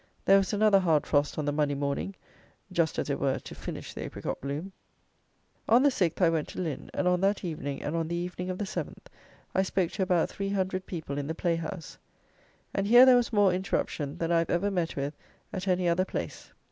There was another hard frost on the Monday morning; just, as it were, to finish the apricot bloom. On the 6th I went to Lynn, and on that evening and on the evening of the 7th, I spoke to about 300 people in the playhouse. And here there was more interruption than I have ever met with at any other place.